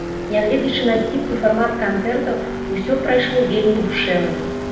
Нягледзячы на сціплы фармат канцэрта, усё прайшло вельмі душэўна.